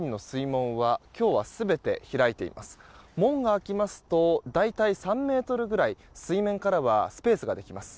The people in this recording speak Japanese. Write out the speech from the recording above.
門が開きますと、大体３ｍぐらい水面からはスペースができます。